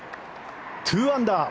２アンダー。